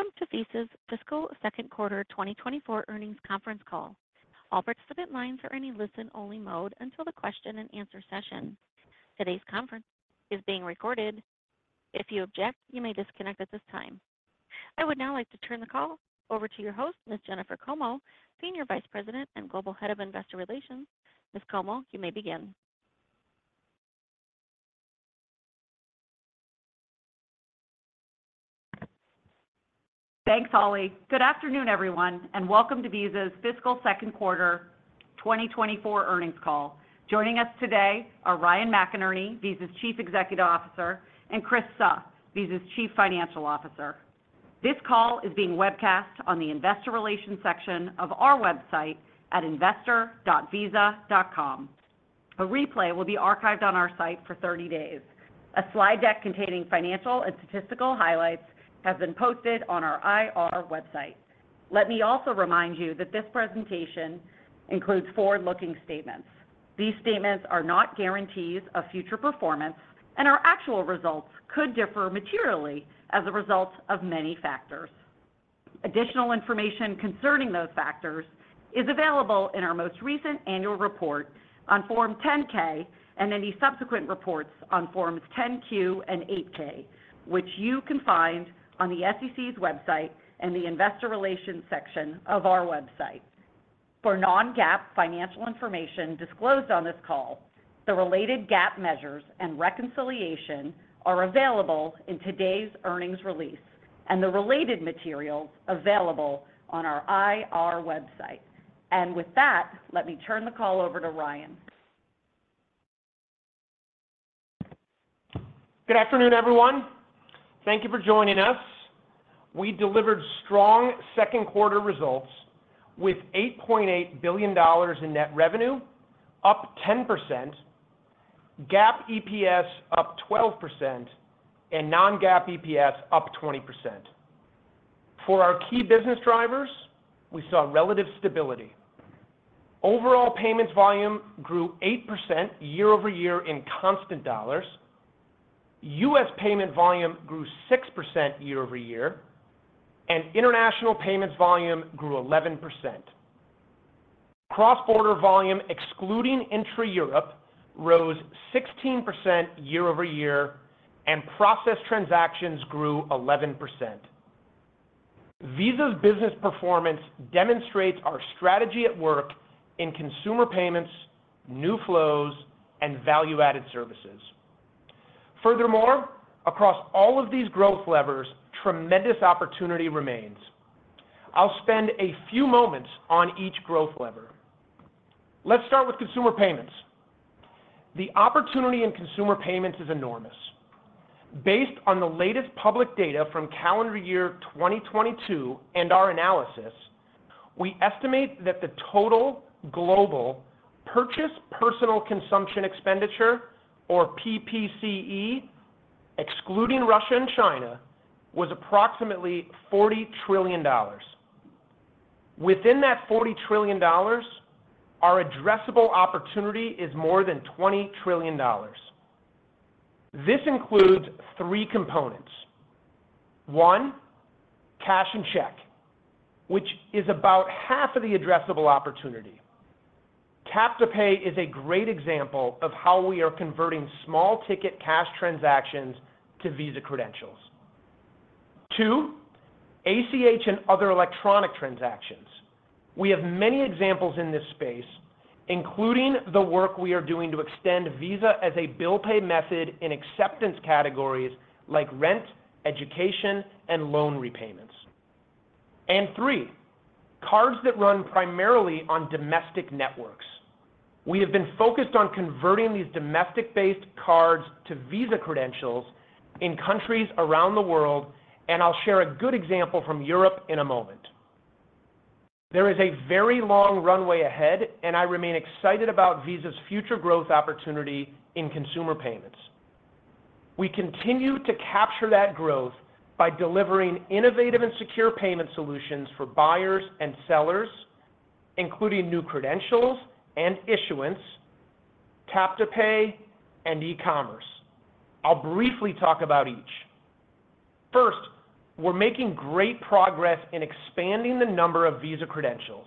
Welcome to Visa's fiscal Q2 2024 earnings conference call. All participant lines are in a listen-only mode until the Q&A session. Today's conference is being recorded. If you object, you may disconnect at this time. I would now like to turn the call over to your host, Ms. Jennifer Como, Senior Vice President and Global Head of Investor Relations. Ms. Jennifer Como, you may begin. Thanks, Holly. Good afternoon, everyone, and welcome to Visa's fiscal Q2 2024 earnings call. Joining us today are Ryan Mclnerney, Visa's Chief Executive Officer, Chris Suh, Visa's Chief Financial Officer. This call is being webcast on the Investor Relations section of our website at investor.visa.com. A replay will be archived on our site for 30 days. A slide deck containing financial and statistical highlights has been posted on our IR website. Let me also remind you that this presentation includes forward-looking statements. These statements are not guarantees of future performance and our actual results could differ materially as a result of many factors. Additional information concerning those factors is available in our most recent annual report on Form 10-K and any subsequent reports on Forms 10-Q and 8-K, which you can find on the SEC's website and the Investor Relations section of our website. For non-GAAP financial information disclosed on this call, the related GAAP measures and reconciliation are available in today's earnings release and the related materials available on our IR website. With that, let me turn the call over to Ryan Mclnerney. Good afternoon, everyone. Thank you for joining us. We delivered strong Q2 results with $8.8 billion in net revenue, up 10%, GAAP EPS up 12%, and non-GAAP EPS up 20%. For our key business drivers, we saw relative stability. Overall payments volume grew 8% year-over-year in constant dollars, U.S. payment volume grew 6% year-over-year, and international payments volume grew 11%. Cross-border volume excluding intra-Europe rose 16% year-over-year, and processed transactions grew 11%. Visa's business performance demonstrates our strategy at work in consumer payments, new flows, and value-added services. Furthermore, across all of these growth levers, tremendous opportunity remains. I'll spend a few moments on each growth lever. Let's start with consumer payments. The opportunity in consumer payments is enormous. Based on the latest public data from calendar year 2022 and our analysis, we estimate that the total global purchase personal consumption expenditure, or PPCE, excluding Russia and China, was approximately $40 trillion. Within that $40 trillion, our addressable opportunity is more than $20 trillion. This includes three components. One, cash and check, which is about half of the addressable opportunity. Tap to pay is a great example of how we are converting small-ticket cash transactions to Visa credentials. Two, ACH and other electronic transactions. We have many examples in this space, including the work we are doing to extend Visa as a bill-pay method in acceptance categories like rent, education, and loan repayments. And three, cards that run primarily on domestic networks. We have been focused on converting these domestic-based cards to Visa credentials in countries around the world, and I'll share a good example from Europe in a moment. There is a very long runway ahead, and I remain excited about Visa's future growth opportunity in consumer payments. We continue to capture that growth by delivering innovative and secure payment solutions for buyers and sellers, including new credentials and issuance, tap to pay, and e-commerce. I'll briefly talk about each. First, we're making great progress in expanding the number of Visa credentials.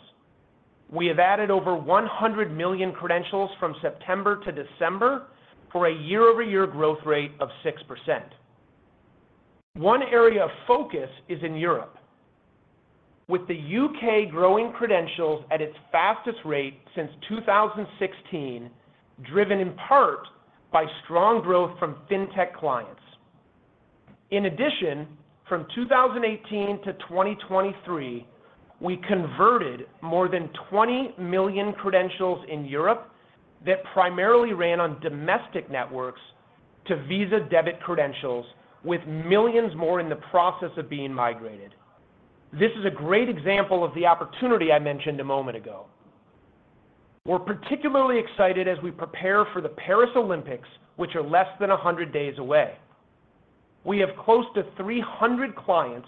We have added over 100 million credentials from September to December for a year-over-year growth rate of 6%. One area of focus is in Europe, with the U.K. growing credentials at its fastest rate since 2016, driven in part by strong growth from fintech clients. In addition, from 2018-2023, we converted more than 20 million credentials in Europe that primarily ran on domestic networks to Visa debit credentials, with millions more in the process of being migrated. This is a great example of the opportunity I mentioned a moment ago. We're particularly excited as we prepare for the Paris Olympics, which are less than 100 days away. We have close to 300 clients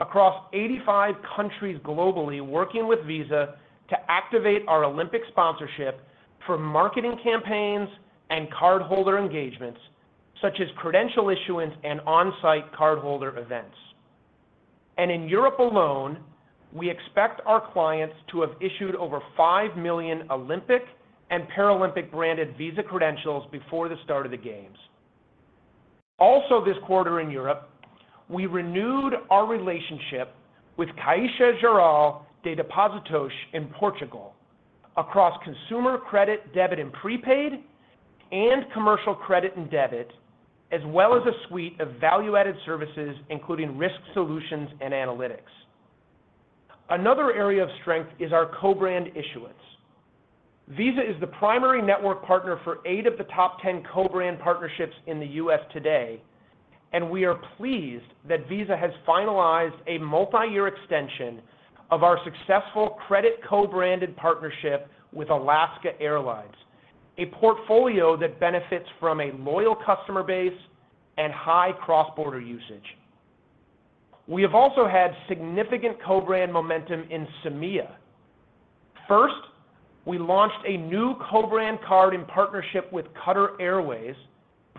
across 85 countries globally working with Visa to activate our Olympic sponsorship for marketing campaigns and cardholder engagements, such as credential issuance and on-site cardholder events. In Europe alone, we expect our clients to have issued over 5 million Olympic and Paralympic-branded Visa credentials before the start of the Games. Also, this quarter in Europe, we renewed our relationship with Caixa Geral de Depósitos in Portugal across consumer credit debit and prepaid and commercial credit and debit, as well as a suite of value-added services, including risk solutions and analytics. Another area of strength is our co-brand issuance. Visa is the primary network partner for eight of the top 10 co-brand partnerships in the U.S. today, and we are pleased that Visa has finalized a multi-year extension of our successful credit co-branded partnership with Alaska Airlines, a portfolio that benefits from a loyal customer base and high cross-border usage. We have also had significant co-brand momentum in CEMEA. First, we launched a new co-brand card in partnership with Qatar Airways,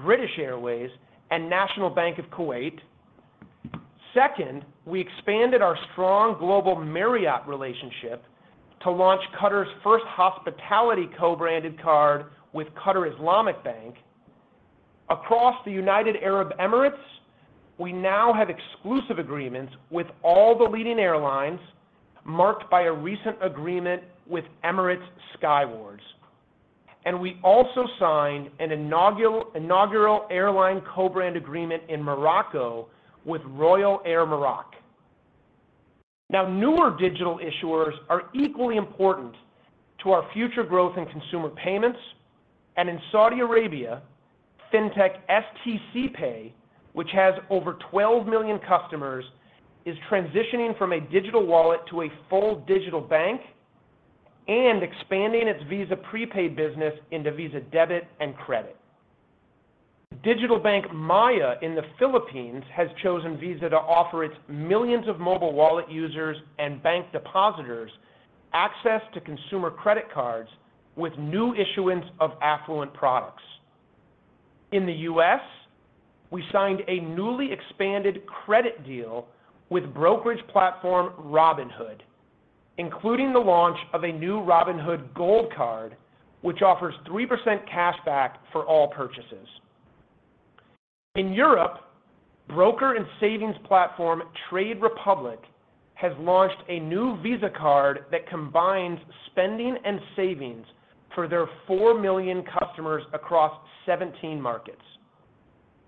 British Airways, and National Bank of Kuwait. Second, we expanded our strong global Marriott relationship to launch Qatar's first hospitality co-branded card with Qatar Islamic Bank. Across the United Arab Emirates, we now have exclusive agreements with all the leading airlines, marked by a recent agreement with Emirates Skywards. We also signed an inaugural airline co-brand agreement in Morocco with Royal Air Maroc. Now, newer digital issuers are equally important to our future growth in consumer payments. In Saudi Arabia, fintech stc pay, which has over 12 million customers, is transitioning from a digital wallet to a full digital bank and expanding its Visa prepaid business into Visa debit and credit. Digital bank Maya in the Philippines has chosen Visa to offer its millions of mobile wallet users and bank depositors access to consumer credit cards with new issuance of affluent products. In the U.S., we signed a newly expanded credit deal with brokerage platform Robinhood, including the launch of a new Robinhood Gold card, which offers 3% cashback for all purchases. In Europe, broker and savings platform Trade Republic has launched a new Visa card that combines spending and savings for their 4 million customers across 17 markets.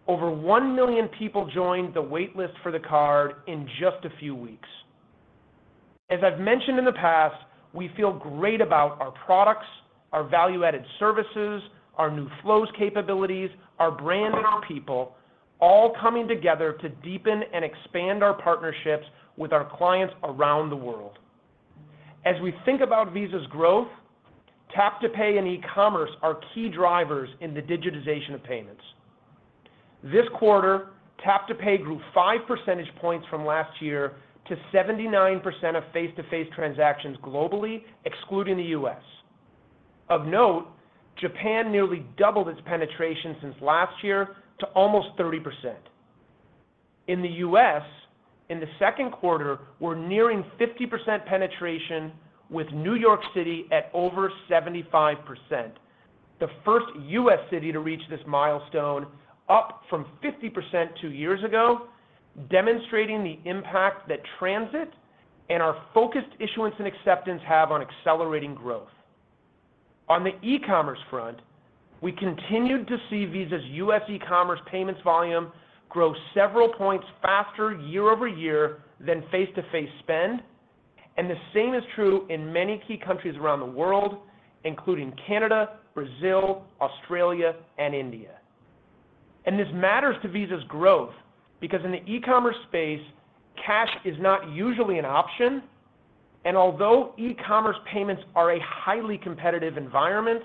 Over 1 million people joined the waitlist for the card in just a few weeks. As I've mentioned in the past, we feel great about our products, our value-added services, our new flows capabilities, our brand, and our people all coming together to deepen and expand our partnerships with our clients around the world. As we think about Visa's growth, tap to pay and e-commerce are key drivers in the digitization of payments. This quarter, tap to pay grew 5 percentage points from last year to 79% of face-to-face transactions globally, excluding the U.S. Of note, Japan nearly doubled its penetration since last year to almost 30%. In the U.S., in the Q2, we're nearing 50% penetration, with New York City at over 75%, the first U.S. city to reach this milestone, up from 50% two years ago, demonstrating the impact that transit and our focused issuance and acceptance have on accelerating growth. On the e-commerce front, we continued to see Visa's U.S. e-commerce payments volume grow several points faster year-over-year than face-to-face spend, and the same is true in many key countries around the world, including Canada, Brazil, Australia, and India. This matters to Visa's growth because in the e-commerce space, cash is not usually an option. Although e-commerce payments are a highly competitive environment,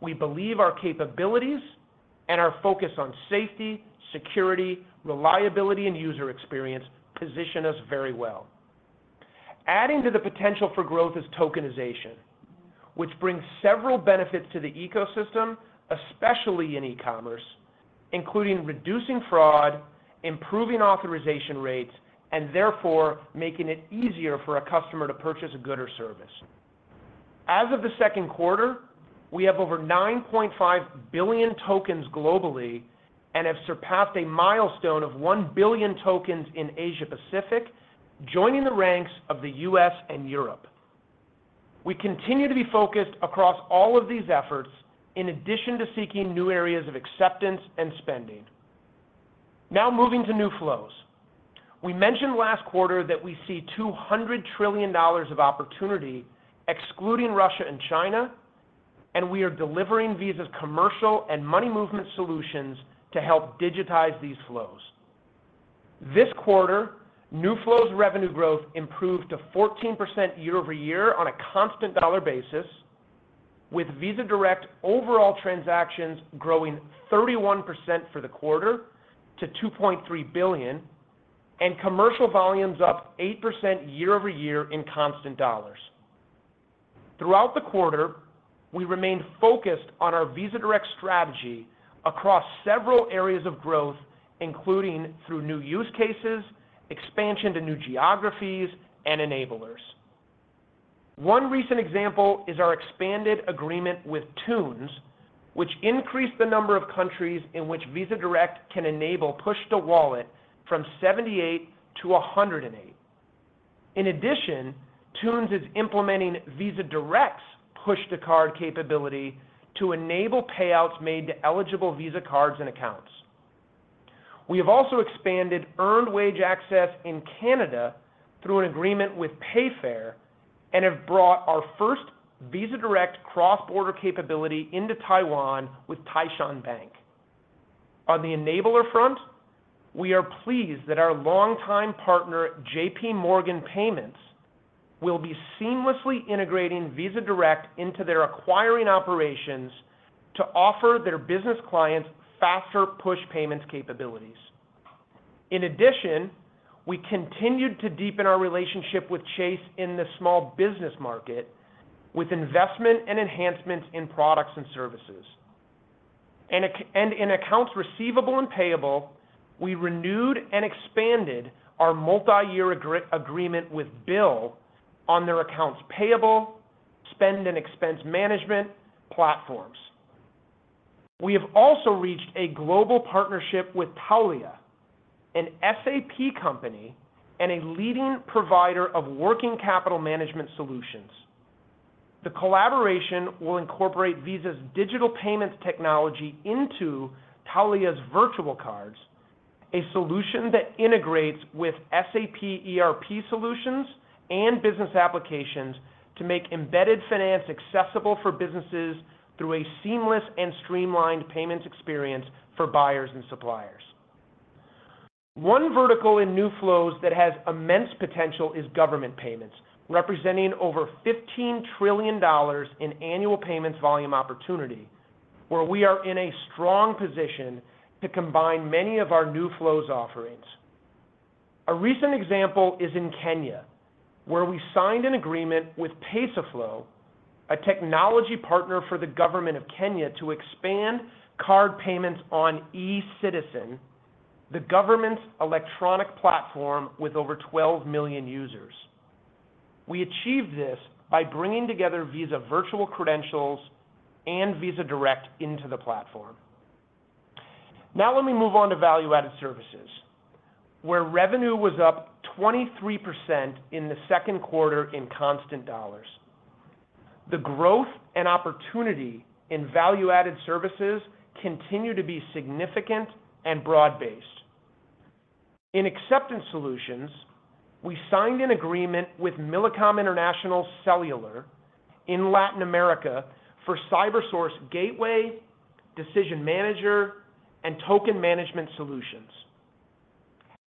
we believe our capabilities and our focus on safety, security, reliability, and user experience position us very well. Adding to the potential for growth is tokenization, which brings several benefits to the ecosystem, especially in e-commerce, including reducing fraud, improving authorization rates, and therefore making it easier for a customer to purchase a good or service. As of the Q2, we have over 9.5 billion tokens globally and have surpassed a milestone of 1 billion tokens in Asia-Pacific, joining the ranks of the U.S. and Europe. We continue to be focused across all of these efforts, in addition to seeking new areas of acceptance and spending. Now moving to new flows. We mentioned last quarter that we see $200 trillion of opportunity, excluding Russia and China, and we are delivering Visa's commercial and money movement solutions to help digitize these flows. This quarter, new flows revenue growth improved to 14% year-over-year on a constant-dollar basis, with Visa Direct overall transactions growing 31% for the quarter to 2.3 billion, and commercial volumes up 8% year-over-year in constant dollars. Throughout the quarter, we remained focused on our Visa Direct strategy across several areas of growth, including through new use cases, expansion to new geographies, and enablers. One recent example is our expanded agreement with Thunes, which increased the number of countries in which Visa Direct can enable push-to-wallet from 78 to 108. In addition, Thunes is implementing Visa Direct's push-to-card capability to enable payouts made to eligible Visa cards and accounts. We have also expanded earned wage access in Canada through an agreement with Payfare and have brought our first Visa Direct cross-border capability into Taiwan with Taishin Bank. On the enabler front, we are pleased that our longtime partner J.P. Morgan Payments will be seamlessly integrating Visa Direct into their acquiring operations to offer their business clients faster push payments capabilities. In addition, we continued to deepen our relationship with Chase in the small business market, with investment and enhancements in products and services. In accounts receivable and payable, we renewed and expanded our multi-year agreement with Bill on their accounts payable, spend, and expense management platforms. We have also reached a global partnership with Taulia, an SAP company and a leading provider of working capital management solutions. The collaboration will incorporate Visa's digital payments technology into Taulia's virtual cards, a solution that integrates with SAP ERP solutions and business applications to make embedded finance accessible for businesses through a seamless and streamlined payments experience for buyers and suppliers. One vertical in new flows that has immense potential is government payments, representing over $15 trillion in annual payments volume opportunity, where we are in a strong position to combine many of our new flows offerings. A recent example is in Kenya, where we signed an agreement with Pesaflow, a technology partner for the government of Kenya, to expand card payments on eCitizen, the government's electronic platform with over 12 million users. We achieved this by bringing together Visa virtual credentials and Visa Direct into the platform. Now let me move on to value-added services, where revenue was up 23% in the Q2 in constant dollars. The growth and opportunity in value-added services continue to be significant and broad-based. In acceptance solutions, we signed an agreement with Millicom International Cellular in Latin America for Cybersource Gateway, Decision Manager, and Token Management solutions.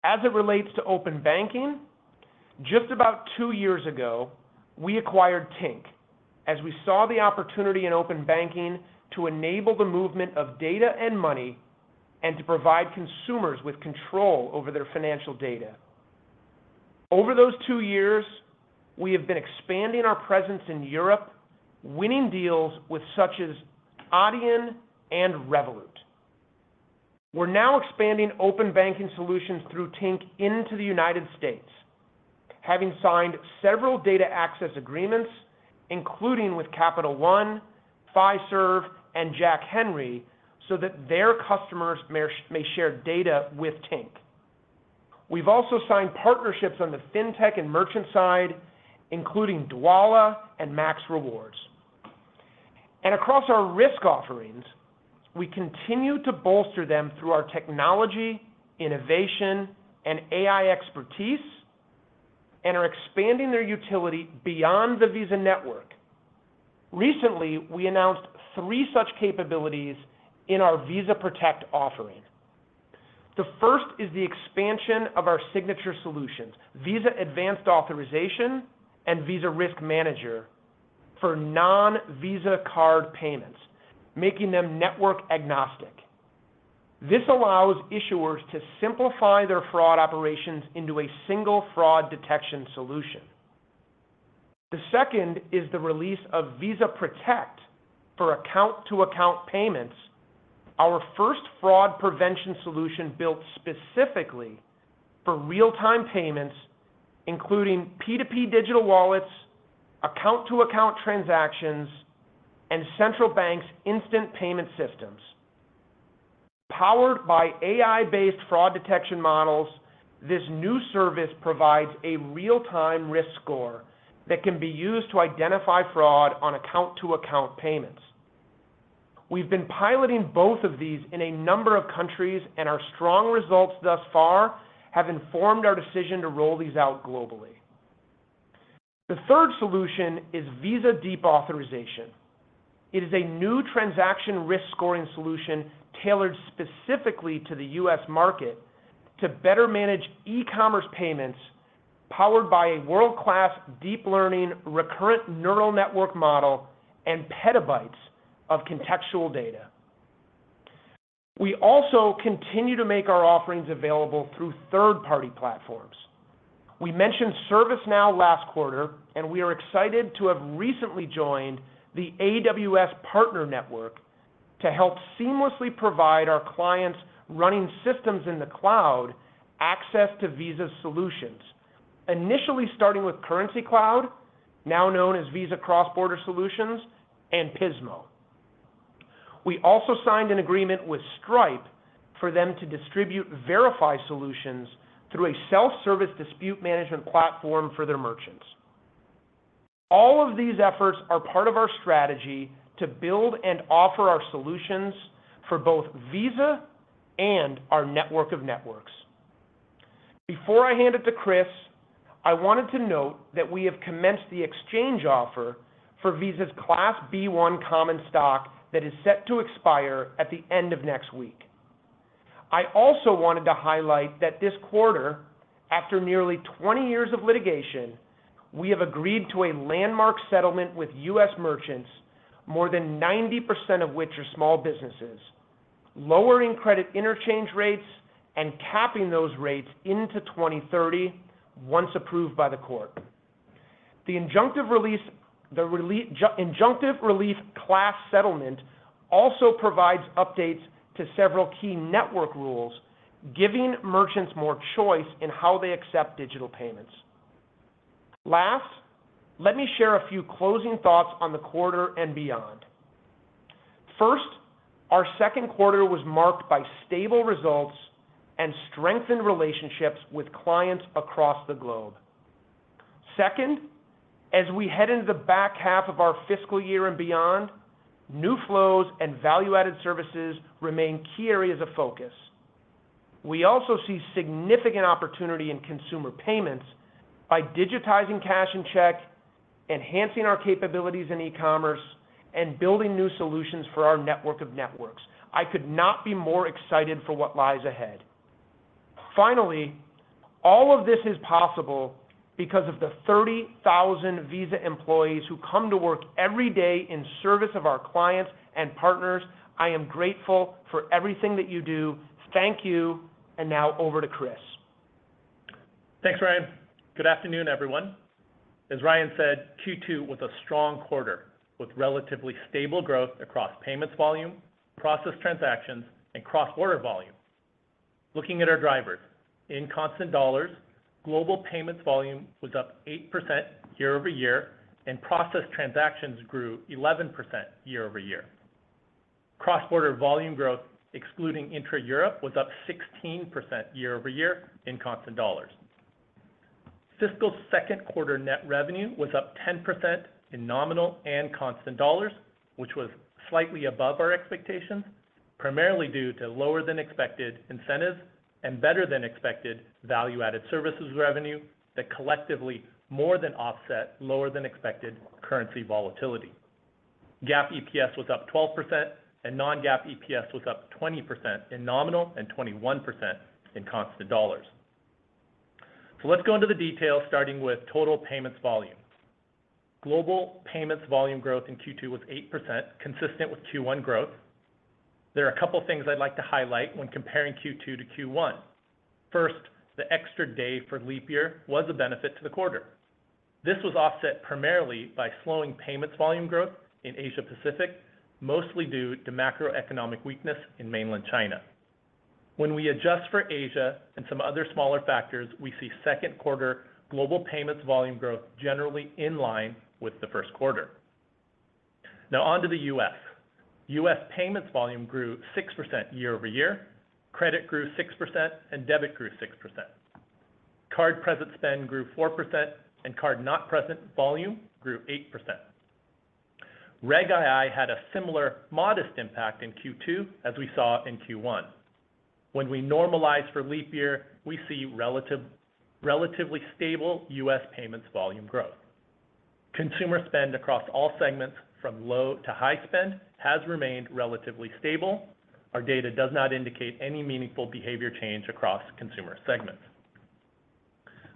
As it relates to open banking, just about two years ago, we acquired Tink as we saw the opportunity in open banking to enable the movement of data and money and to provide consumers with control over their financial data. Over those two years, we have been expanding our presence in Europe, winning deals with such as Adyen and Revolut. We're now expanding open banking solutions through Tink into the United States, having signed several data access agreements, including with Capital One, Fiserv, and Jack Henry, so that their customers may share data with Tink. We've also signed partnerships on the fintech and merchant side, including Dwolla and MaxRewards. Across our risk offerings, we continue to bolster them through our technology, innovation, and AI expertise, and are expanding their utility beyond the Visa network. Recently, we announced three such capabilities in our Visa Protect offering. The first is the expansion of our signature solutions, Visa Advanced Authorization and Visa Risk Manager, for non-Visa card payments, making them network agnostic. This allows issuers to simplify their fraud operations into a single fraud detection solution. The second is the release of Visa Protect for account-to-account payments, our first fraud prevention solution built specifically for real-time payments, including P2P digital wallets, account-to-account transactions, and central bank's instant payment systems. Powered by AI-based fraud detection models, this new service provides a real-time risk score that can be used to identify fraud on account-to-account payments. We've been piloting both of these in a number of countries, and our strong results thus far have informed our decision to roll these out globally. The third solution is Visa Deep Authorization. It is a new transaction risk scoring solution tailored specifically to the U.S. market to better manage e-commerce payments powered by a world-class deep learning recurrent neural network model and petabytes of contextual data. We also continue to make our offerings available through third-party platforms. We mentioned ServiceNow last quarter, and we are excited to have recently joined the AWS Partner Network to help seamlessly provide our clients running systems in the cloud access to Visa's solutions, initially starting with Currencycloud, now known as Visa Cross-Border Solutions, and Pismo. We also signed an agreement with Stripe for them to distribute Verifi solutions through a self-service dispute management platform for their merchants. All of these efforts are part of our strategy to build and offer our solutions for both Visa and our network of networks. Before I hand it to Chris Suh, I wanted to note that we have commenced the exchange offer for Visa's Class B1 common stock that is set to expire at the end of next week. I also wanted to highlight that this quarter, after nearly 20 years of litigation, we have agreed to a landmark settlement with U.S. merchants, more than 90% of which are small businesses, lowering credit interchange rates and capping those rates into 2030 once approved by the court. The injunctive relief class settlement also provides updates to several key network rules, giving merchants more choice in how they accept digital payments. Last, let me share a few closing thoughts on the quarter and beyond. First, our Q2 was marked by stable results and strengthened relationships with clients across the globe. Second, as we head into the back half of our fiscal year and beyond, new flows and value-added services remain key areas of focus. We also see significant opportunity in consumer payments by digitizing cash and check, enhancing our capabilities in e-commerce, and building new solutions for our network of networks. I could not be more excited for what lies ahead. Finally, all of this is possible because of the 30,000 Visa employees who come to work every day in service of our clients and partners. I am grateful for everything that you do. Thank you. And now over to Chris Suh. Thanks, Ryan Mclnerney. Good afternoon, everyone. As Ryan Mclnerney said, Q2 was a strong quarter with relatively stable growth across payments volume, process transactions, and cross-border volume. Looking at our drivers, in constant dollars, global payments volume was up 8% year-over-year, and process transactions grew 11% year-over-year. Cross-border volume growth, excluding intra-Europe, was up 16% year-over-year in constant dollars. Fiscal Q2 net revenue was up 10% in nominal and constant dollars, which was slightly above our expectations, primarily due to lower-than-expected incentives and better-than-expected value-added services revenue that collectively more than offset lower-than-expected currency volatility. GAAP EPS was up 12%, and non-GAAP EPS was up 20% in nominal and 21% in constant dollars. So let's go into the details, starting with total payments volume. Global payments volume growth in Q2 was 8%, consistent with Q1 growth. There are a couple of things I'd like to highlight when comparing Q2 to Q1. First, the extra day for leap year was a benefit to the quarter. This was offset primarily by slowing payments volume growth in Asia-Pacific, mostly due to macroeconomic weakness in Mainland China. When we adjust for Asia and some other smaller factors, we see Q2 global payments volume growth generally in line with the Q1. Now onto the U.S. U.S. payments volume grew 6% year-over-year, credit grew 6%, and debit grew 6%. Card-present spend grew 4%, and card-not-present volume grew 8%. Reg II had a similar, modest impact in Q2 as we saw in Q1. When we normalize for leap year, we see relatively stable U.S. payments volume growth. Consumer spend across all segments, from low to high spend, has remained relatively stable. Our data does not indicate any meaningful behavior change across consumer segments.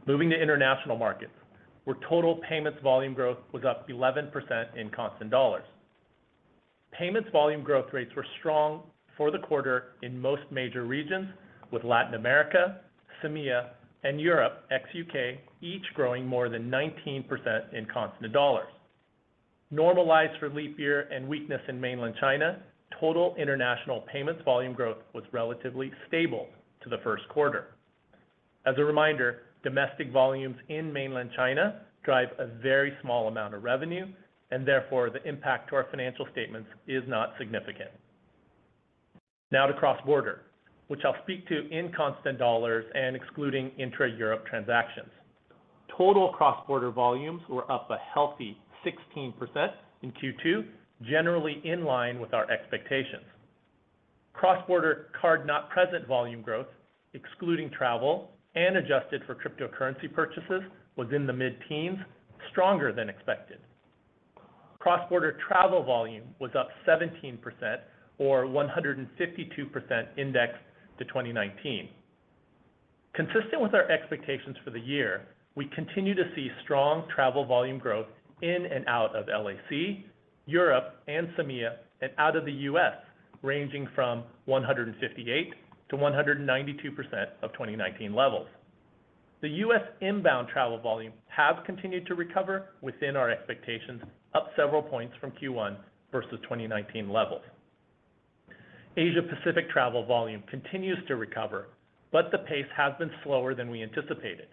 Moving to international markets, where total payments volume growth was up 11% in constant dollars, payments volume growth rates were strong for the quarter in most major regions, with Latin America, CEMEA, and Europe, ex-U.K., each growing more than 19% in constant dollars. Normalized for leap year and weakness in mainland China, total international payments volume growth was relatively stable to the Q1. As a reminder, domestic volumes in mainland China drive a very small amount of revenue, and therefore the impact to our financial statements is not significant. Now to cross-border, which I'll speak to in constant dollars and excluding intra-Europe transactions. Total cross-border volumes were up a healthy 16% in Q2, generally in line with our expectations. Cross-border card-not-present volume growth, excluding travel and adjusted for cryptocurrency purchases, was in the mid-teens, stronger than expected. Cross-border travel volume was up 17%, or 152% indexed to 2019. Consistent with our expectations for the year, we continue to see strong travel volume growth in and out of LAC, Europe, and CEMEA, and out of the U.S., ranging from 158%-192% of 2019 levels. The U.S. inbound travel volume has continued to recover within our expectations, up several points from Q1 versus 2019 levels. Asia-Pacific travel volume continues to recover, but the pace has been slower than we anticipated.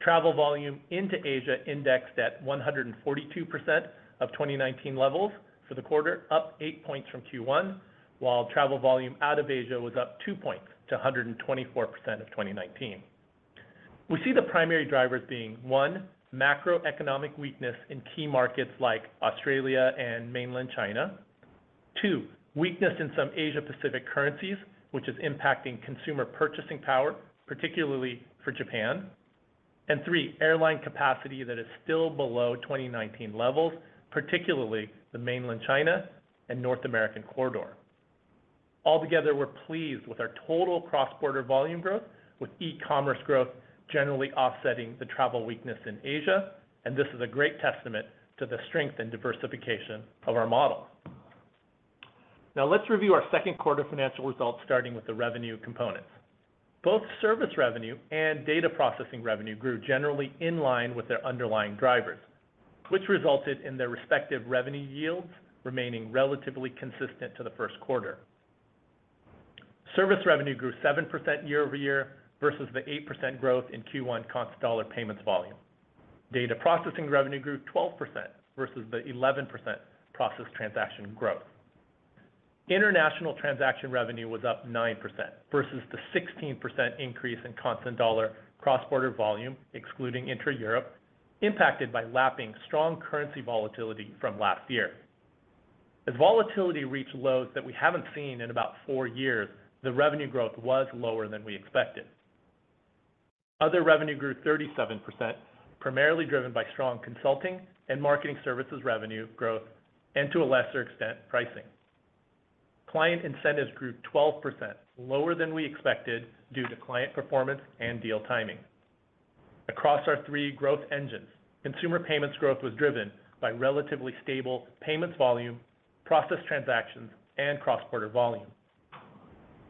Travel volume into Asia indexed at 142% of 2019 levels for the quarter, up 8 points from Q1, while travel volume out of Asia was up 2 points to 124% of 2019. We see the primary drivers being: one, macroeconomic weakness in key markets like Australia and Mainland China. Two, weakness in some Asia-Pacific currencies, which is impacting consumer purchasing power, particularly for Japan. And three, airline capacity that is still below 2019 levels, particularly the Mainland China and North American corridor. Altogether, we're pleased with our total cross-border volume growth, with e-commerce growth generally offsetting the travel weakness in Asia. This is a great testament to the strength and diversification of our model. Now let's review our Q2 financial results, starting with the revenue components. Both service revenue and data processing revenue grew generally in line with their underlying drivers, which resulted in their respective revenue yields remaining relatively consistent to the Q1. Service revenue grew 7% year-over-year versus the 8% growth in Q1 constant dollar payments volume. Data processing revenue grew 12% versus the 11% process transaction growth. International transaction revenue was up 9% versus the 16% increase in constant dollar cross-border volume, excluding intra-Europe, impacted by lapping strong currency volatility from last year. As volatility reached lows that we haven't seen in about four years, the revenue growth was lower than we expected. Other revenue grew 37%, primarily driven by strong consulting and marketing services revenue growth and, to a lesser extent, pricing. Client incentives grew 12%, lower than we expected due to client performance and deal timing. Across our three growth engines, consumer payments growth was driven by relatively stable payments volume, process transactions, and cross-border volume.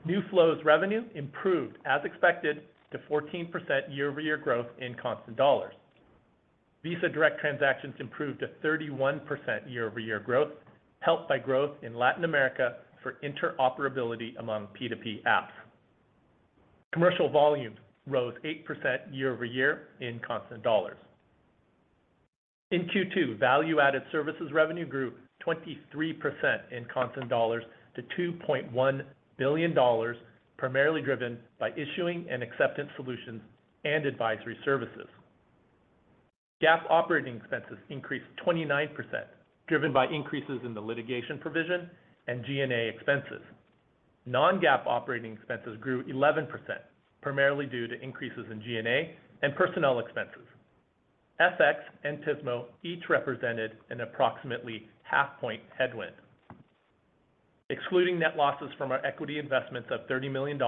New flows revenue improved, as expected, to 14% year-over-year growth in constant dollars. Visa Direct transactions improved to 31% year-over-year growth, helped by growth in Latin America for interoperability among P2P apps. Commercial volumes rose 8% year-over-year in constant dollars. In Q2, value-added services revenue grew 23% in constant dollars to $2.1 billion, primarily driven by issuing and acceptance solutions and advisory services. GAAP operating expenses increased 29%, driven by increases in the litigation provision and G&A expenses. Non-GAAP operating expenses grew 11%, primarily due to increases in G&A and personnel expenses. FX and Pismo each represented an approximately half-point headwind. Excluding net losses from our equity investments of $30 million,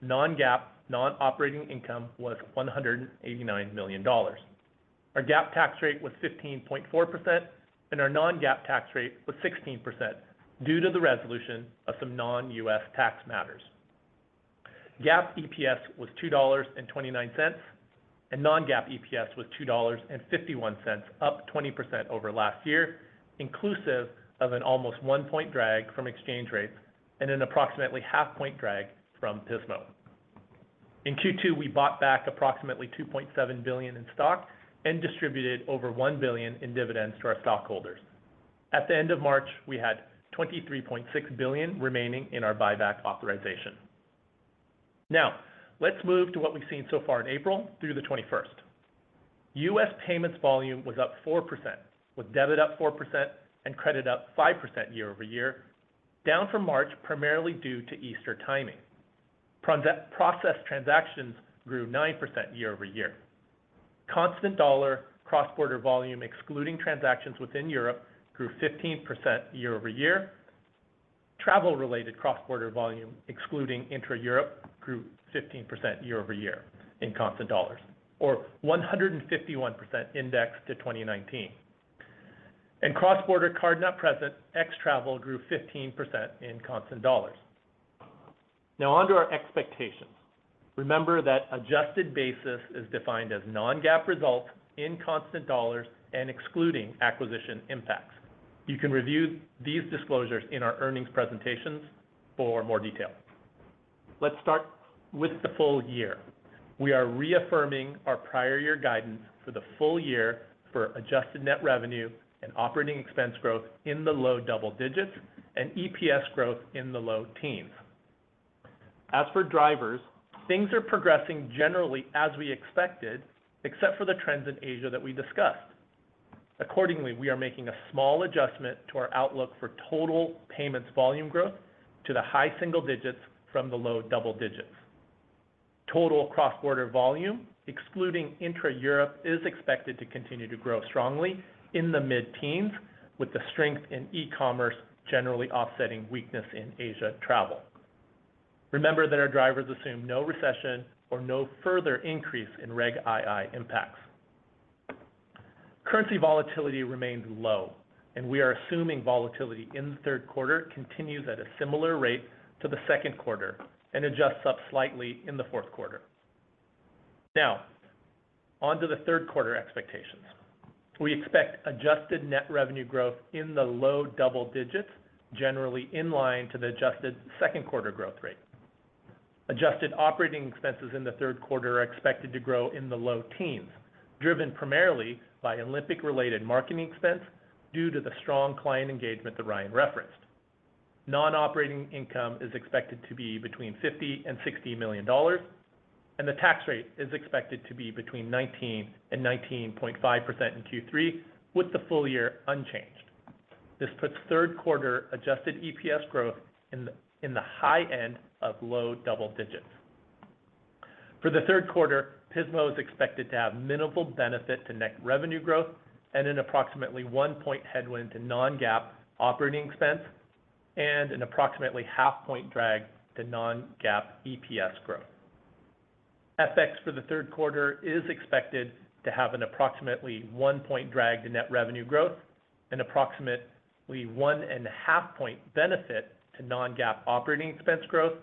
non-GAAP, non-operating income was $189 million. Our GAAP tax rate was 15.4%, and our non-GAAP tax rate was 16% due to the resolution of some non-U.S. tax matters. GAAP EPS was $2.29, and non-GAAP EPS was $2.51, up 20% over last year, inclusive of an almost one-point drag from exchange rates and an approximately half-point drag from Pismo. In Q2, we bought back approximately $2.7 billion in stock and distributed over $1 billion in dividends to our stockholders. At the end of March, we had $23.6 billion remaining in our buyback authorization. Now, let's move to what we've seen so far in April through the 21st. U.S. payments volume was up 4%, with debit up 4% and credit up 5% year-over-year, down from March primarily due to Easter timing. Process transactions grew 9% year-over-year. Constant dollar cross-border volume, excluding transactions within Europe, grew 15% year-over-year. Travel-related cross-border volume, excluding intra-Europe, grew 15% year-over-year in constant dollars, or 151% indexed to 2019. And cross-border card-not-present ex-travel grew 15% in constant dollars. Now onto our expectations. Remember that adjusted basis is defined as non-GAAP results in constant dollars and excluding acquisition impacts. You can review these disclosures in our earnings presentations for more detail. Let's start with the full year. We are reaffirming our prior-year guidance for the full year for adjusted net revenue and operating expense growth in the low-double-digits and EPS growth in the low-teens. As for drivers, things are progressing generally as we expected, except for the trends in Asia that we discussed. Accordingly, we are making a small adjustment to our outlook for total payments volume growth to the high single digits from the low-double-digits. Total cross-border volume, excluding intra-Europe, is expected to continue to grow strongly in the mid-teens, with the strength in e-commerce generally offsetting weakness in Asia travel. Remember that our drivers assume no recession or no further increase in Reg II impacts. Currency volatility remains low, and we are assuming volatility in the Q3 continues at a similar rate to the Q2 and adjusts up slightly in the Q4. Now, onto the Q3 expectations. We expect adjusted net revenue growth in the low-double-digits, generally in line to the adjusted Q2 growth rate. Adjusted operating expenses in the Q3 are expected to grow in the low teens, driven primarily by Olympic-related marketing expense due to the strong client engagement that Ryan Mclnerney referenced. Non-operating income is expected to be between $50 million-$60 million, and the tax rate is expected to be between 19%-19.5% in Q3, with the full year unchanged. This puts Q3 adjusted EPS growth in the high-end of low-double-digits. For the Q3, Pismo is expected to have minimal benefit to net revenue growth and an approximately 1-point headwind to non-GAAP operating expense and an approximately 0.5-point drag to non-GAAP EPS growth. FX for the Q3 is expected to have an approximately 1-point drag to net revenue growth, an approximately 1.5-point benefit to non-GAAP operating expense growth,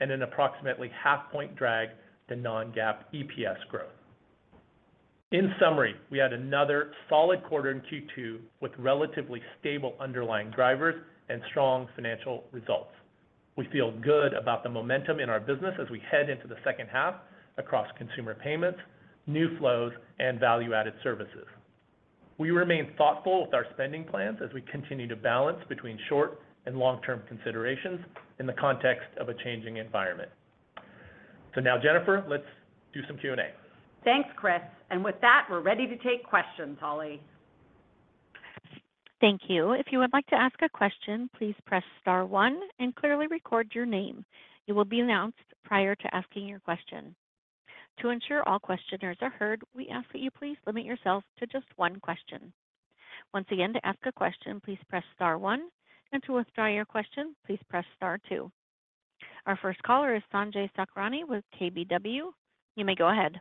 and an approximately 0.5-point drag to non-GAAP EPS growth. In summary, we had another solid quarter in Q2 with relatively stable underlying drivers and strong financial results. We feel good about the momentum in our business as we head into the H2 across consumer payments, new flows, and value-added services. We remain thoughtful with our spending plans as we continue to balance between short and long-term considerations in the context of a changing environment. So now, Jennifer Como, let's do some Q&A. Thanks, Chris Suh. With that, we're ready to take questions, Holly. Thank you. If you would like to ask a question, please press star one and clearly record your name. You will be announced prior to asking your question. To ensure all questioners are heard, we ask that you please limit yourself to just one question. Once again, to ask a question, please press star one. And to withdraw your question, please press star two. Our first caller is Sanjay Sakhrani with KBW. You may go ahead.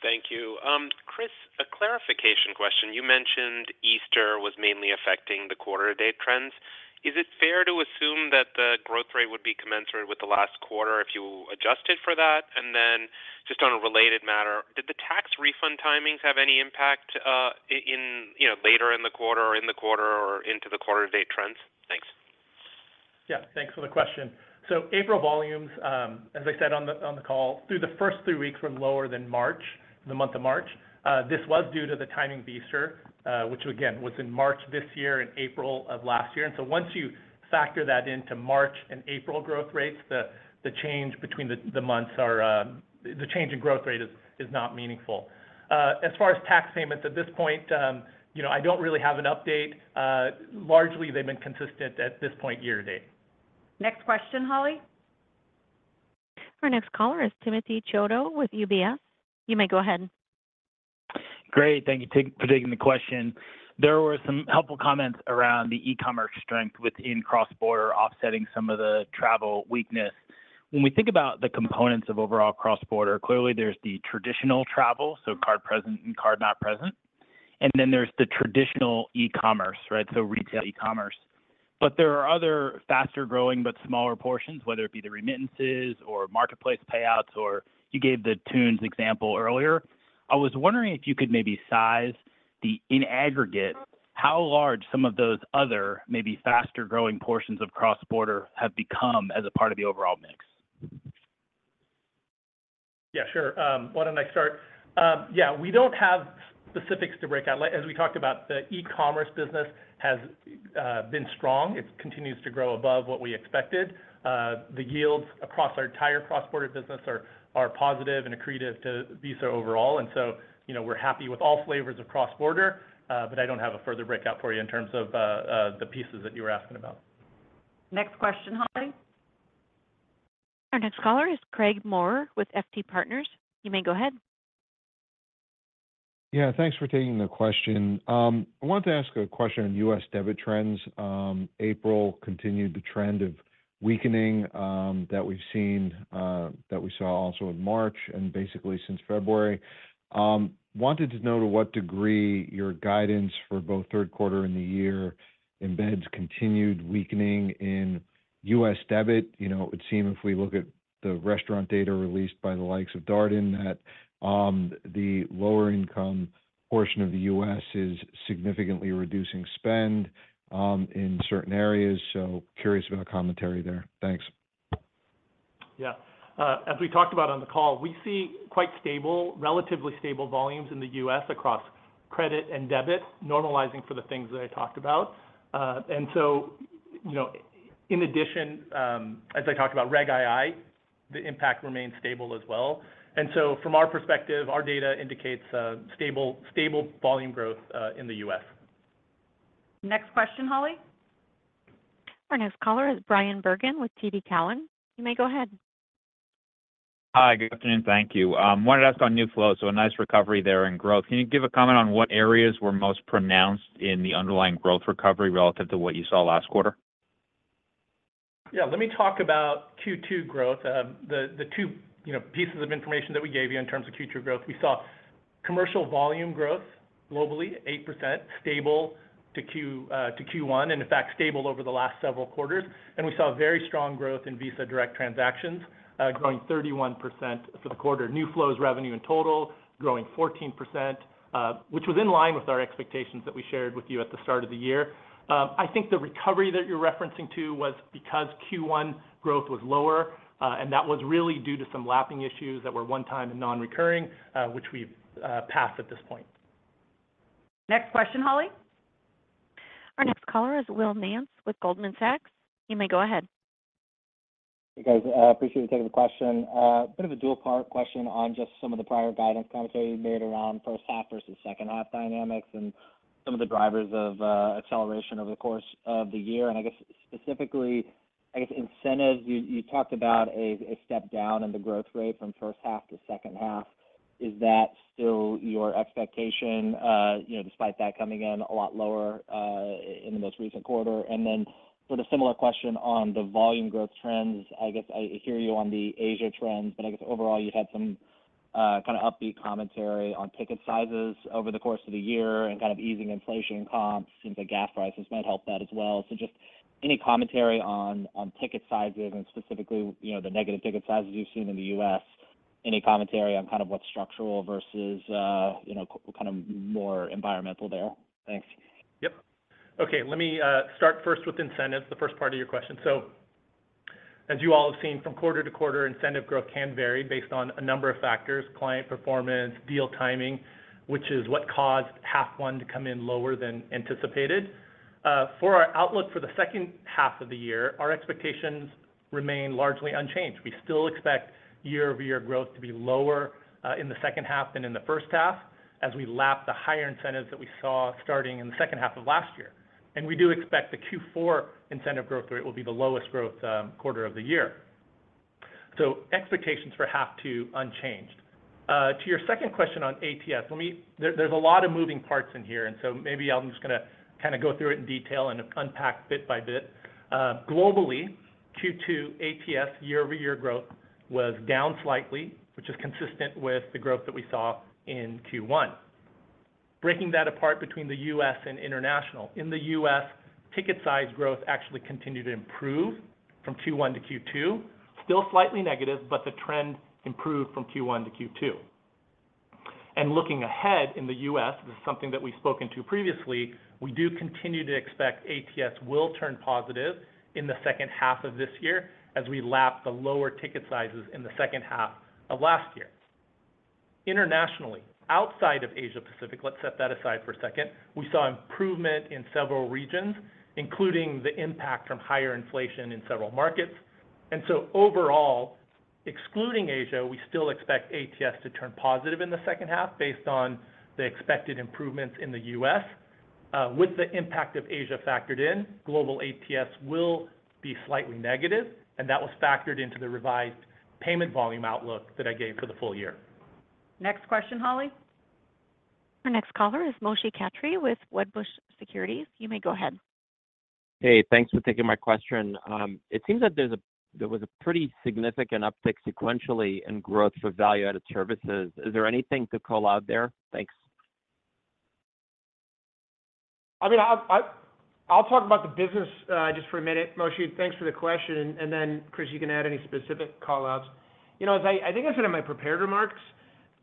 Thank you. Chris Suh, a clarification question. You mentioned Easter was mainly affecting the quarterly trends. Is it fair to assume that the growth rate would be commensurate with the last quarter if you adjusted for that? And then, just on a related matter, did the tax refund timing have any impact later in the quarter or in the quarter or into the quarterly trends? Thanks. Yeah, thanks for the question. So April volumes, as I said on the call, through the first three weeks were lower than March, the month of March. This was due to the timing of Easter, which, again, was in March this year and April of last year. And so once you factor that into March and April growth rates, the change between the months are the change in growth rate is not meaningful. As far as tax payments at this point, I don't really have an update. Largely, they've been consistent at this point year to date. Next question, Holly. Our next caller is Timothy Chiodo with UBS. You may go ahead. Great. Thank you for taking the question. There were some helpful comments around the e-commerce strength within cross-border offsetting some of the travel weakness. When we think about the components of overall cross-border, clearly there's the traditional travel, so card-present and card-not-present. And then there's the traditional e-commerce, right, so retail e-commerce. But there are other faster-growing but smaller portions, whether it be the remittances or marketplace payouts or you gave the Thunes example earlier. I was wondering if you could maybe size them in aggregate, how large some of those other, maybe faster-growing portions of cross-border have become as a part of the overall mix. Yeah, sure. Why don't I start? Yeah, we don't have specifics to break out. As we talked about, the e-commerce business has been strong. It continues to grow above what we expected. The yields across our entire cross-border business are positive and accretive to Visa overall. And so we're happy with all flavors of cross-border. But I don't have a further breakout for you in terms of the pieces that you were asking about. Next question, Holly. Our next caller is Craig Maurer with FT Partners. You may go ahead. Yeah, thanks for taking the question. I wanted to ask a question on U.S. debit trends. April continued the trend of weakening that we've seen that we saw also in March and basically since February. Wanted to know to what degree your guidance for both Q3 and the year embeds continued weakening in U.S. debit, It would seem if we look at the restaurant data released by the likes of Darden that the lower-income portion of the U.S. is significantly reducing spend in certain areas. So curious about commentary there. Thanks. Yeah as we talked about on the call, we see quite stable, relatively stable volumes in the U.S. across credit and debit, normalizing for the things that I talked about. So in addition, as I talked about Reg II, the impact remains stable as well. And so from our perspective, our data indicates stable volume growth in the U.S. Next question, Holly. Our next caller is Bryan Bergin with TD Cowen. You may go ahead. Hi, good afternoon. Thank you. Wanted to ask on new flows. So a nice recovery there in growth. Can you give a comment on what areas were most pronounced in the underlying growth recovery relative to what you saw last quarter? Yeah, let me talk about Q2 growth, the two pieces of information that we gave you in terms of Q2 growth. We saw commercial volume growth globally, 8%, stable to Q1 and, in fact, stable over the last several quarters. And we saw very strong growth in Visa Direct transactions, growing 31% for the quarter. New flows revenue in total, growing 14%, which was in line with our expectations that we shared with you at the start of the year. I think the recovery that you're referencing to was because Q1 growth was lower, and that was really due to some lapping issues that were one-time and non-recurring, which we've passed at this point. Next question, Holly. Our next caller is Will Nance with Goldman Sachs. You may go ahead. Hey, guys. Appreciate you taking the question. bit of a dual-part question on just some of the prior guidance commentary you made around H1 versus H2 dynamics and some of the drivers of acceleration over the course of the year. I guess specifically, I guess incentives, you talked about a step down in the growth rate from H1-H2. Is that still your expectation, despite that coming in a lot lower in the most recent quarter? Then sort of similar question on the volume growth trends. I guess I hear you on the Asia trends, but I guess overall, you've had some kind of upbeat commentary on ticket sizes over the course of the year and kind of easing inflation comps. Seems like gas prices might help that as well. So just any commentary on ticket sizes and specifically the negative ticket sizes you've seen in the U.S., any commentary on kind of what's structural versus kind of more environmental there? Thanks. Yep. Okay. Let me start first with incentives, the first part of your question. So as you all have seen, from quarter to quarter, incentive growth can vary based on a number of factors, client performance, deal timing, which is what caused half one to come in lower than anticipated. For our outlook for the H2 of the year, our expectations remain largely unchanged. We still expect year-over-year growth to be lower in the H2 than in the H1 as we lap the higher incentives that we saw starting in the H2 of last year. And we do expect the Q4 incentive growth rate will be the lowest growth quarter of the year. Expectations for half two unchanged. To your second question on ATS, there's a lot of moving parts in here. And so maybe I'm just going to kind of go through it in detail and unpack bit by bit. Globally, Q2 ATS year-over-year growth was down slightly, which is consistent with the growth that we saw in Q1. Breaking that apart between the U.S. and international, in the U.S., ticket size growth actually continued to improve from Q1 to Q2, still slightly negative, but the trend improved from Q1 to Q2. Looking ahead in the U.S., this is something that we've spoken to previously, we do continue to expect ATS will turn positive in the H2 of this year as we lap the lower ticket sizes in the H2 of last year. Internationally, outside of Asia-Pacific, let's set that aside for a second. We saw improvement in several regions, including the impact from higher inflation in several markets. So overall, excluding Asia, we still expect ATS to turn positive in the H2 based on the expected improvements in the U.S. With the impact of Asia factored in, global ATS will be slightly negative. And that was factored into the revised payment volume outlook that I gave for the full year. Next question, Holly. Our next caller is Moshe Katri with Wedbush Securities. You may go ahead. Hey, thanks for taking my question. It seems that there was a pretty significant uptick sequentially in growth for value-added services. Is there anything to call out there? Thanks. I mean, I'll talk about the business just for a minute, Moshe Katri. Thanks for the question. And then, Chris Suh, you can add any specific callouts. As I think I said in my prepared remarks,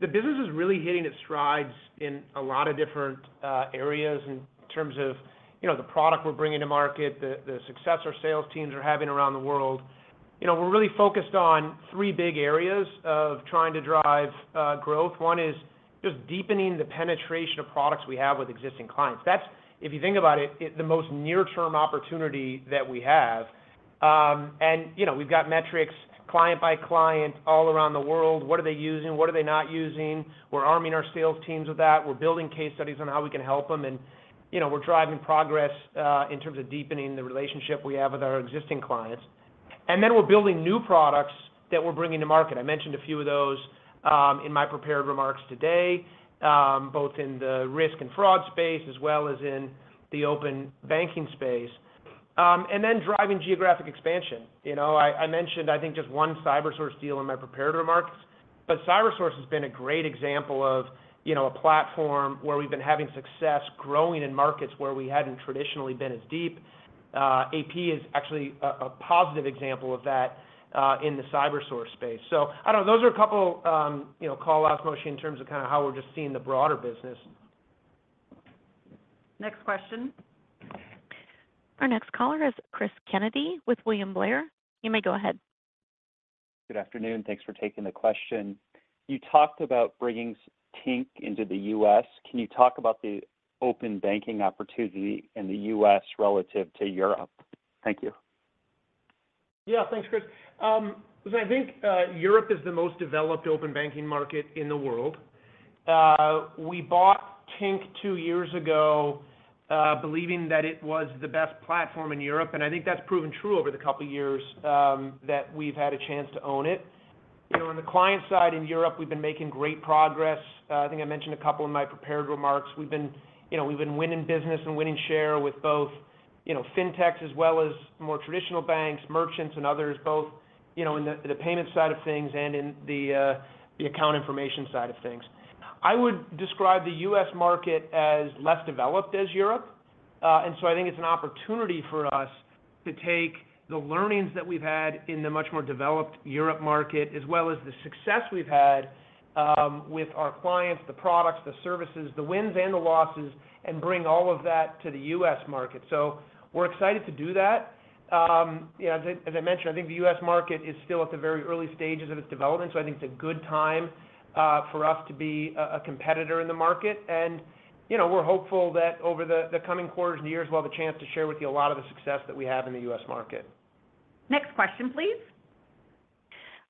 the business is really hitting its strides in a lot of different areas in terms of the product we're bringing to market, the success our sales teams are having around the world. We're really focused on three big areas of trying to drive growth. One is just deepening the penetration of products we have with existing clients. That's, if you think about it, the most near-term opportunity that we have. And we've got metrics client by client all around the world. What are they using? What are they not using? We're arming our sales teams with that. We're building case studies on how we can help them. And we're driving progress in terms of deepening the relationship we have with our existing clients. And then we're building new products that we're bringing to market. I mentioned a few of those in my prepared remarks today, both in the risk and fraud space as well as in the open banking space. Then driving geographic expansion. I mentioned, I think, just one Cybersource deal in my prepared remarks. But Cybersource has been a great example of a platform where we've been having success growing in markets where we hadn't traditionally been as deep. AP is actually a positive example of that in the Cybersource space. So I don't know. Those are a couple of callouts, Moshe Katri, in terms of kind of how we're just seeing the broader business. Next question. Our next caller is Cris Kennedy with William Blair. You may go ahead. Good afternoon. Thanks for taking the question. You talked about bringing Tink into the U.S. Can you talk about the open banking opportunity in the U.S. relative to Europe? Thank you. Yeah, thanks, Chris Suh. So I think Europe is the most developed open banking market in the world. We bought Tink two years ago believing that it was the best platform in Europe. And I think that's proven true over the couple of years that we've had a chance to own it. On the client side in Europe, we've been making great progress. I think I mentioned a couple in my prepared remarks. We've been winning business and winning share with both fintechs as well as more traditional banks, merchants, and others, both in the payment side of things and in the account information side of things. I would describe the U.S. market as less developed as Europe. So I think it's an opportunity for us to take the learnings that we've had in the much more developed Europe market as well as the success we've had with our clients, the products, the services, the wins and the losses, and bring all of that to the U.S. market. We're excited to do that. As I mentioned, I think the U.S. market is still at the very early stages of its development. I think it's a good time for us to be a competitor in the market. We're hopeful that over the coming quarters and years, we'll have a chance to share with you a lot of the success that we have in the U.S. market. Next question, please.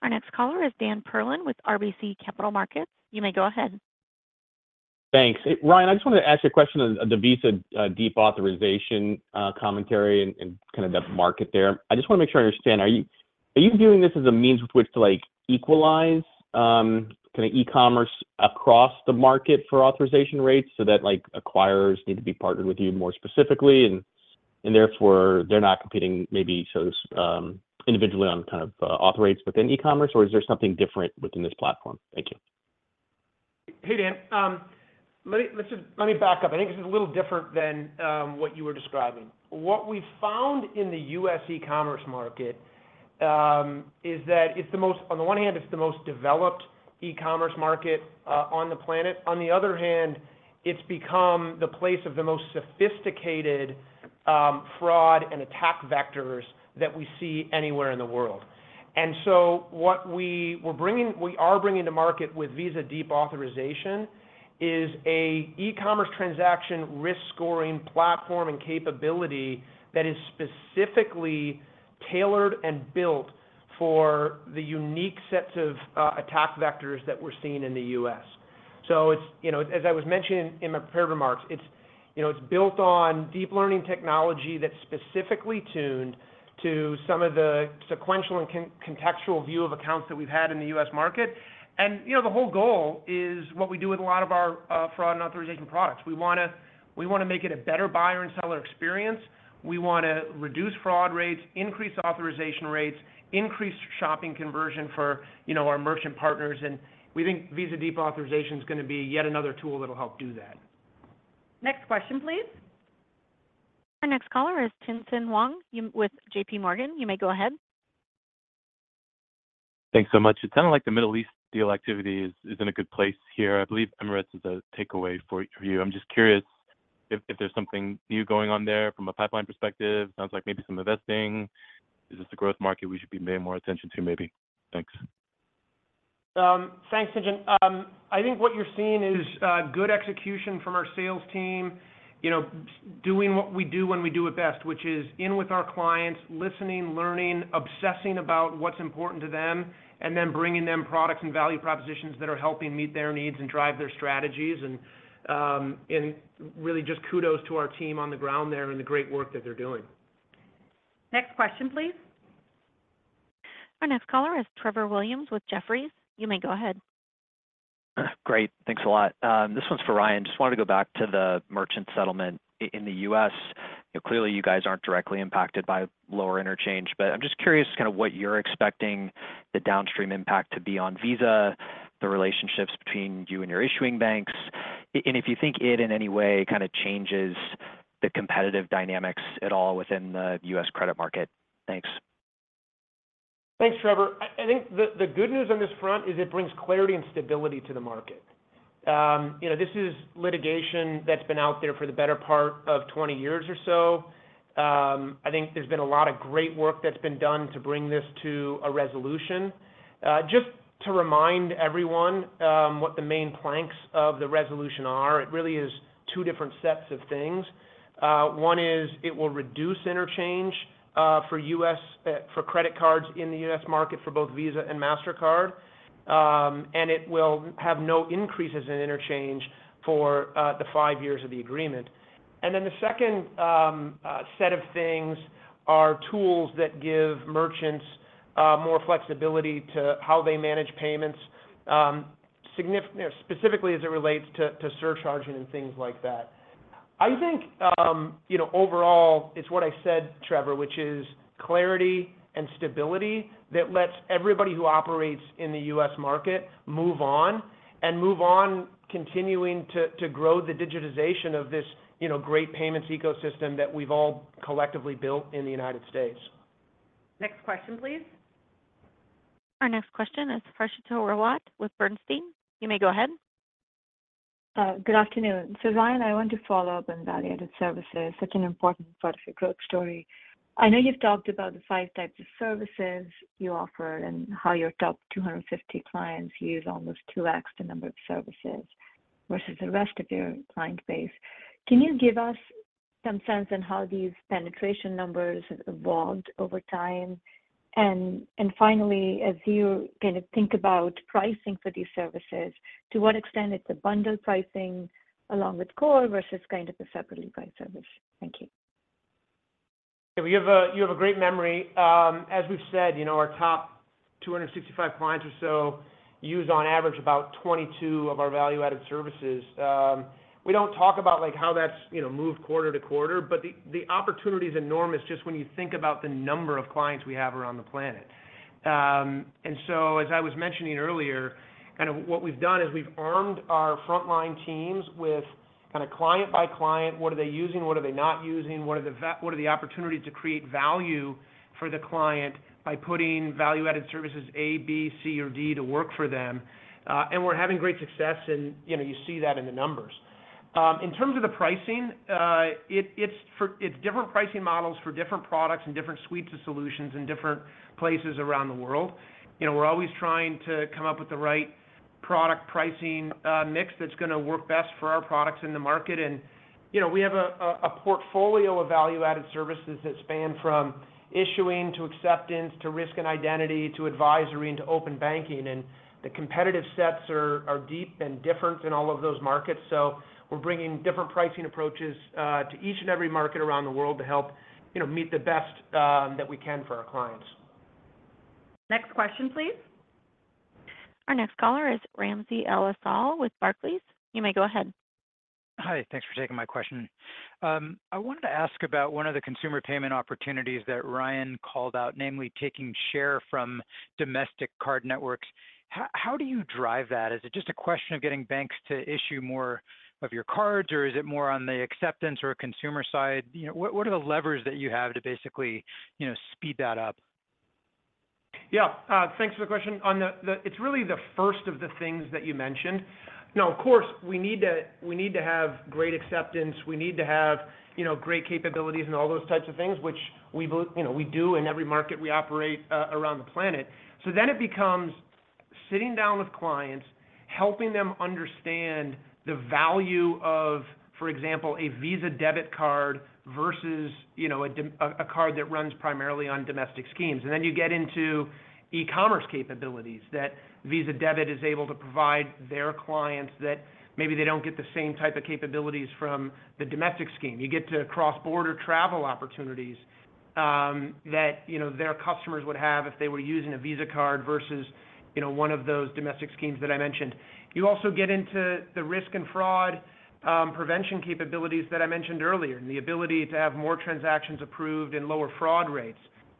Our next caller is Dan Perlin with RBC Capital Markets. You may go ahead. Thanks. Ryan Mclnerney, I just wanted to ask you a question of the Visa Deep Authorization commentary and kind of that market there. I just want to make sure I understand. Are you viewing this as a means with which to equalize kind of e-commerce across the market for authorization rates so that acquirers need to be partnered with you more specifically and therefore they're not competing maybe so individually on kind of author rates within e-commerce? Or is there something different within this platform? Thank you. Hey, Dan Perlin. Let me back up. I think this is a little different than what you were describing. What we've found in the U.S. e-commerce market is that it's the most on the one hand, it's the most developed e-commerce market on the planet. On the other hand, it's become the place of the most sophisticated fraud and attack vectors that we see anywhere in the world. And so what we are bringing to market with Visa Deep Authorization is an e-commerce transaction risk scoring platform and capability that is specifically tailored and built for the unique sets of attack vectors that we're seeing in the U.S. So as I was mentioning in my prepared remarks, it's built on deep learning technology that's specifically tuned to some of the sequential and contextual view of accounts that we've had in the U.S. market. And the whole goal is what we do with a lot of our fraud and authorization products. We want to make it a better buyer and seller experience. We want to reduce fraud rates, increase authorization rates, increase shopping conversion for our merchant partners. And we think Visa Deep Authorization is going to be yet another tool that'll help do that. Next question, please. Our next caller is Tien-Tsin Huang with JPMorgan. You may go ahead. Thanks so much. It sounded like the Middle East deal activity is in a good place here. I believe Emirates is a takeaway for you. I'm just curious if there's something new going on there from a pipeline perspective. Sounds like maybe some investing. Is this a growth market we should be paying more attention to maybe? Thanks. Thanks, Tien-Tsin Huang. I think what you're seeing is good execution from our sales team doing what we do when we do it best, which is in with our clients, listening, learning, obsessing about what's important to them, and then bringing them products and value propositions that are helping meet their needs and drive their strategies. And really, just kudos to our team on the ground there and the great work that they're doing. Next question, please. Our next caller is Trevor Williams with Jefferies. You may go ahead. Great. Thanks a lot. This one's for Ryan Mclnerney. Just wanted to go back to the merchant settlement in the U.S. Clearly, you guys aren't directly impacted by lower interchange. But I'm just curious kind of what you're expecting the downstream impact to be on Visa, the relationships between you and your issuing banks, and if you think it in any way kind of changes the competitive dynamics at all within the U.S. credit market. Thanks. Thanks, Trevor Williams. I think the good news on this front is it brings clarity and stability to the market. This is litigation that's been out there for the better part of 20 years or so. I think there's been a lot of great work that's been done to bring this to a resolution. Just to remind everyone what the main planks of the resolution are, it really is two different sets of things. One is it will reduce interchange for credit cards in the U.S. market for both Visa and Mastercard. And it will have no increases in interchange for the five years of the agreement. And then the second set of things are tools that give merchants more flexibility to how they manage payments, specifically as it relates to surcharging and things like that. I think overall, it's what I said, Trevor Williams, which is clarity and stability that lets everybody who operates in the U.S. market move on and move on continuing to grow the digitization of this great payments ecosystem that we've all collectively built in the United States. Next question, please. Our next question is Harshita Rawat with Bernstein. You may go ahead. Good afternoon. So Ryan Mclnerney, I want to follow up on value-added services, such an important part of your growth story. I know you've talked about the five types of services you offer and how your top 250 clients use almost 2x the number of services versus the rest of your client base. Can you give us some sense on how these penetration numbers have evolved over time? And finally, as you kind of think about pricing for these services, to what extent it's a bundle pricing along with core versus kind of a separately priced service? Thank you. Yeah, well, you have a great memory. As we've said, our top 265 clients or so use on average about 22 of our value-added services. We don't talk about how that's moved quarter to quarter. But the opportunity is enormous just when you think about the number of clients we have around the planet. So as I was mentioning earlier, kind of what we've done is we've armed our frontline teams with kind of client by client, what are they using, what are they not using, what are the opportunities to create value for the client by putting value-added services A, B, C, or D to work for them. We're having great success. You see that in the numbers. In terms of the pricing, it's different pricing models for different products and different suites of solutions in different places around the world. We're always trying to come up with the right product pricing mix that's going to work best for our products in the market. We have a portfolio of value-added services that span from issuing to acceptance to risk and identity to advisory and to open banking. The competitive sets are deep and different in all of those markets. We're bringing different pricing approaches to each and every market around the world to help meet the best that we can for our clients. Next question, please. Our next caller is Ramsey El-Assal with Barclays. You may go ahead. Hi. Thanks for taking my question. I wanted to ask about one of the consumer payment opportunities that Ryan Mclnerney called out, namely taking share from domestic card networks. How do you drive that? Is it just a question of getting banks to issue more of your cards? Or is it more on the acceptance or consumer side? What are the levers that you have to basically speed that up? Yeah thanks for the question. It's really the first of the things that you mentioned. Now, of course, we need to have great acceptance. We need to have great capabilities and all those types of things, which we do in every market we operate around the planet. So then it becomes sitting down with clients, helping them understand the value of, for example, a Visa debit card versus a card that runs primarily on domestic schemes. And then you get into e-commerce capabilities that Visa debit is able to provide their clients that maybe they don't get the same type of capabilities from the domestic scheme. You get to cross-border travel opportunities that their customers would have if they were using a Visa card versus one of those domestic schemes that I mentioned. You also get into the risk and fraud prevention capabilities that I mentioned earlier and the ability to have more transactions approved and lower fraud rates.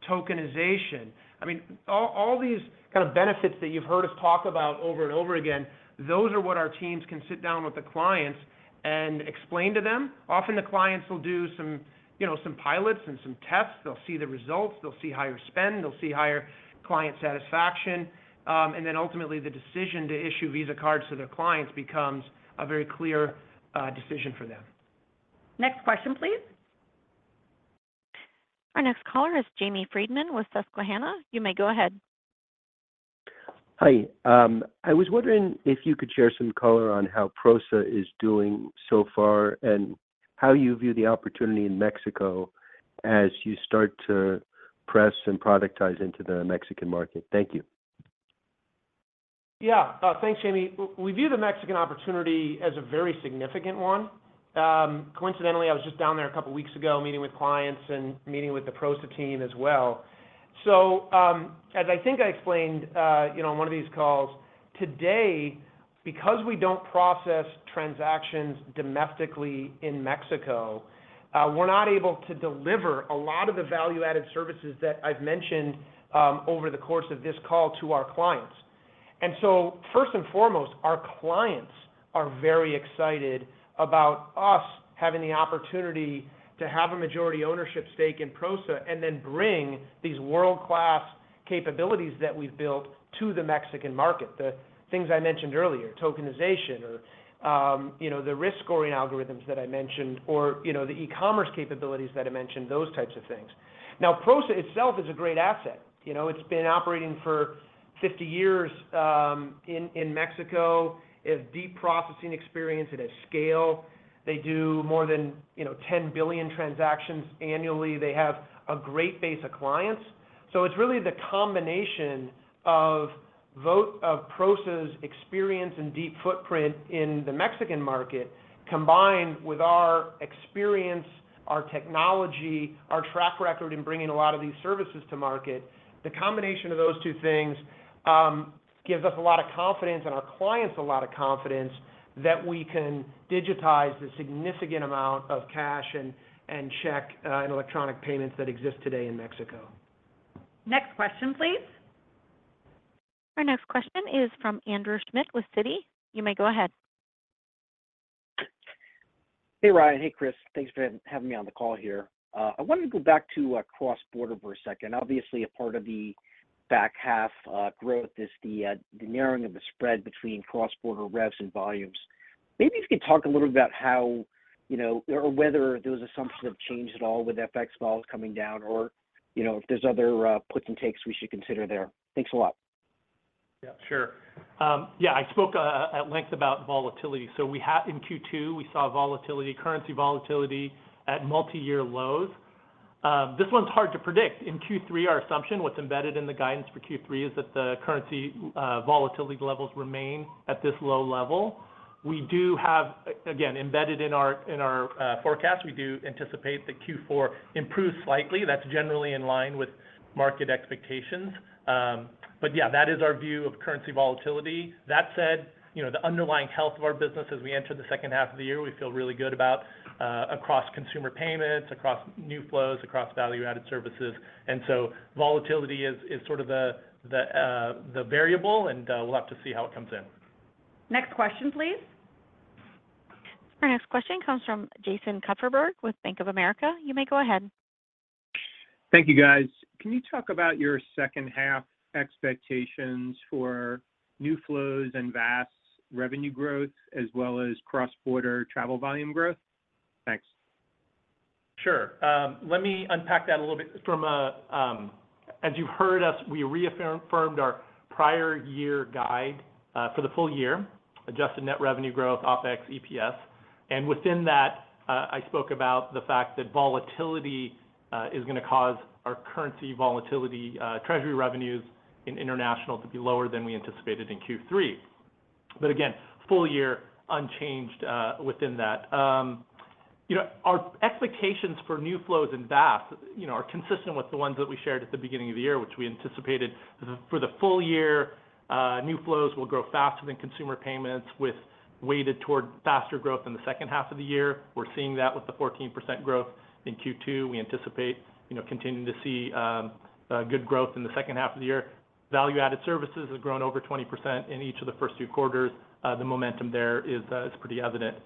Tokenization. I mean, all these kind of benefits that you've heard us talk about over and over again, those are what our teams can sit down with the clients and explain to them. Often, the clients will do some pilots and some tests. They'll see the results. They'll see higher spend. They'll see higher client satisfaction. And then ultimately, the decision to issue Visa cards to their clients becomes a very clear decision for them. Next question, please. Our next caller is Jamie Friedman with Susquehanna. You may go ahead. Hi. I was wondering if you could share some color on how Prosa is doing so far and how you view the opportunity in Mexico as you start to press and productize into the Mexican market. Thank you. Yeah. Thanks, Jamie. We view the Mexican opportunity as a very significant one. Coincidentally, I was just down there a couple of weeks ago meeting with clients and meeting with the Prosa team as well. So as I think I explained on one of these calls, today, because we don't process transactions domestically in Mexico, we're not able to deliver a lot of the value-added services that I've mentioned over the course of this call to our clients. First and foremost, our clients are very excited about us having the opportunity to have a majority ownership stake in Prosa and then bring these world-class capabilities that we've built to the Mexican market, the things I mentioned earlier, tokenization or the risk scoring algorithms that I mentioned or the e-commerce capabilities that I mentioned, those types of things. Now, Prosa itself is a great asset. It's been operating for 50 years in Mexico. It has deep processing experience. It has scale. They do more than 10 billion transactions annually. They have a great base of clients. So it's really the combination of Prosa's experience and deep footprint in the Mexican market combined with our experience, our technology, our track record in bringing a lot of these services to market. The combination of those two things gives us a lot of confidence and our clients a lot of confidence that we can digitize the significant amount of cash and check and electronic payments that exist today in Mexico. Next question, please. Our next question is from Andrew Schmidt with Citi. You may go ahead. Hey, Ryan Mclnerney. Hey, Chris Suh. Thanks for having me on the call here. I wanted to go back to cross-border for a second. Obviously, a part of the back half growth is the narrowing of the spread between cross-border revs and volumes. Maybe if you could talk a little bit about how or whether those assumptions have changed at all with FX vols coming down or if there's other puts and takes we should consider there. Thanks a lot. Yeah sure. Yeah I spoke at length about volatility. So in Q2, we saw currency volatility at multi-year lows. This one's hard to predict. In Q3, our assumption, what's embedded in the guidance for Q3 is that the currency volatility levels remain at this low level. Again, embedded in our forecast, we do anticipate that Q4 improves slightly. That's generally in line with market expectations. But yeah, that is our view of currency volatility. That said, the underlying health of our business as we enter the H2 of the year, we feel really good about across consumer payments, across new flows, across value-added services. And so volatility is sort of the variable. And we'll have to see how it comes in. Next question, please. Our next question comes from Jason Kupferberg with Bank of America. You may go ahead. Thank you, guys. Can you talk about your H2 expectations for new flows and VAS revenue growth as well as cross-border travel volume growth? Thanks. Sure. Let me unpack that a little bit. As you've heard us, we reaffirmed our prior-year guide for the full year, adjusted net revenue growth, OpEx, EPS. And within that, I spoke about the fact that volatility is going to cause our currency volatility, treasury revenues in international to be lower than we anticipated in Q3. But again, full year, unchanged within that. Our expectations for new flows and VAS are consistent with the ones that we shared at the beginning of the year, which we anticipated for the full year, new flows will grow faster than consumer payments with weighted toward faster growth in the H2 of the year. We're seeing that with the 14% growth in Q2. We anticipate continuing to see good growth in the H2 of the year. Value-added services have grown over 20% in each of the first two quarters. The momentum there is pretty evident.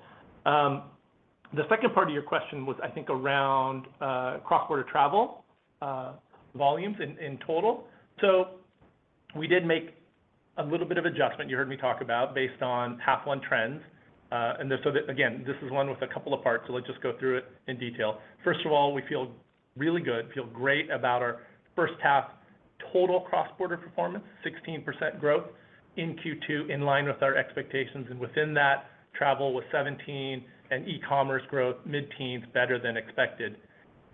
The second part of your question was, I think, around cross-border travel volumes in total. So we did make a little bit of adjustment you heard me talk about based on H1 trends. And so again, this is one with a couple of parts. So let's just go through it in detail. First of all, we feel really good, feel great about our H1 total cross-border performance, 16% growth in Q2 in line with our expectations. And within that, travel was 17% and e-commerce growth mid-teens, better than expected.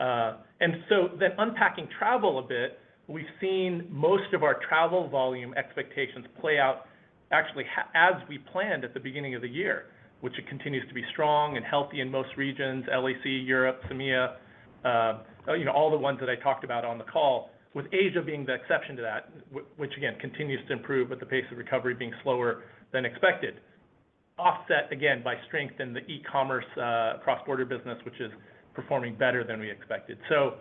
Unpacking travel a bit, we've seen most of our travel volume expectations play out actually as we planned at the beginning of the year, which continues to be strong and healthy in most regions, LAC, Europe, CEMEA, all the ones that I talked about on the call, with Asia being the exception to that, which again continues to improve with the pace of recovery being slower than expected, offset again by strength in the e-commerce cross-border business, which is performing better than we expected. So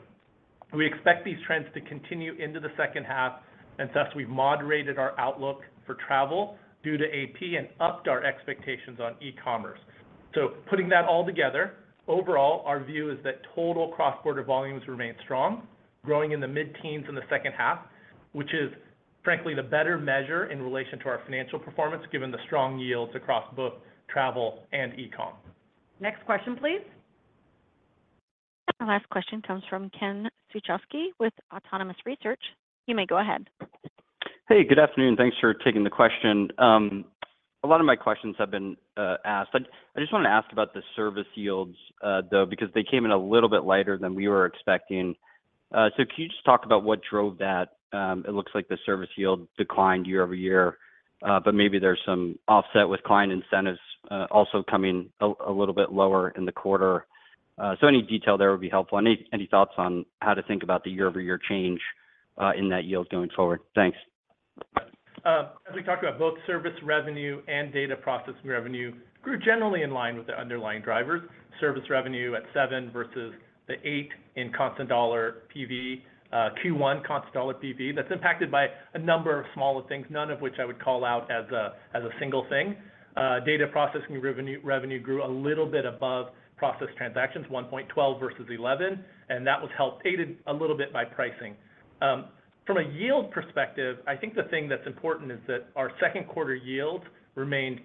we expect these trends to continue into the H2. Thus, we've moderated our outlook for travel due to AP and upped our expectations on e-commerce. Putting that all together, overall, our view is that total cross-border volumes remain strong, growing in the mid-teens in the H2, which is frankly the better measure in relation to our financial performance given the strong yields across both travel and e-com. Next question, please. Our last question comes from Ken Suchoski with Autonomous Research. You may go ahead. Hey. Good afternoon. Thanks for taking the question. A lot of my questions have been asked. I just want to ask about the service yields, though, because they came in a little bit lighter than we were expecting. So can you just talk about what drove that? It looks like the service yield declined year-over-year. But maybe there's some offset with client incentives also coming a little bit lower in the quarter. So any detail there would be helpful. Any thoughts on how to think about the year-over-year change in that yield going forward? Thanks. As we talked about, both service revenue and data processing revenue grew generally in line with their underlying drivers, service revenue at 7%versus the 8% in constant dollar PV, Q1 constant dollar PV. That's impacted by a number of smaller things, none of which I would call out as a single thing. Data processing revenue grew a little bit above processed transactions, 11.2% versus 11%. And that was aided a little bit by pricing. From a yield perspective, I think the thing that's important is that our Q2 yields remained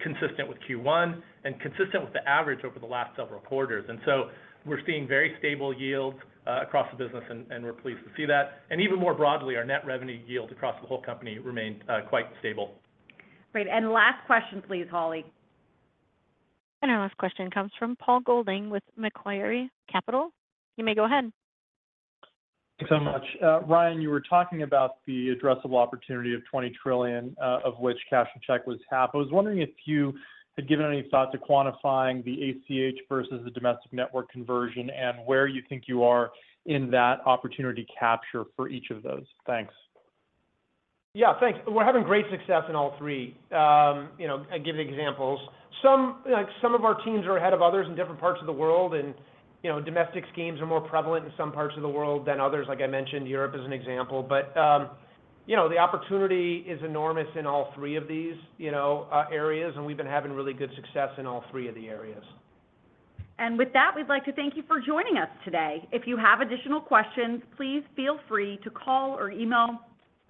consistent with Q1 and consistent with the average over the last several quarters. And so we're seeing very stable yields across the business. And we're pleased to see that. Even more broadly, our net revenue yield across the whole company remained quite stable. Great. Last question, please, Holly. Our last question comes from Paul Golding with Macquarie Capital. You may go ahead. Thanks so much. Ryan McInerney, you were talking about the addressable opportunity of $20 trillion, of which cash and check was half. I was wondering if you had given any thought to quantifying the ACH versus the domestic network conversion and where you think you are in that opportunity capture for each of those. Thanks. Yeah. Thanks. We're having great success in all three. I give examples. Some of our teams are ahead of others in different parts of the world. Domestic schemes are more prevalent in some parts of the world than others. Like I mentioned, Europe is an example. But the opportunity is enormous in all three of these areas. We've been having really good success in all three of the areas. With that, we'd like to thank you for joining us today. If you have additional questions, please feel free to call or email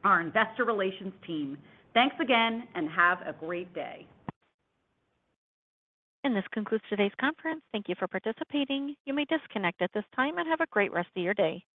our investor relations team. Thanks again. Have a great day. This concludes today's conference. Thank you for participating. You may disconnect at this time and have a great rest of your day.